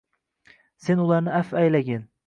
Sen ularni avf aylagin…